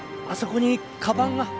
あそこにかばんが。